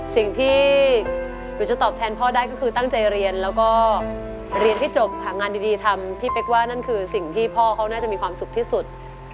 สิ่งที่หนูจะตอบแทนพ่อได้ก็คือตั้งใจเรียนแล้วก็เรียนให้จบหางานดีทำพี่เป๊กว่านั่นคือสิ่งที่พ่อเขาน่าจะมีความสุขที่สุด